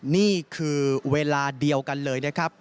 นี่คือเวลาเดียวกันเลยนะครับ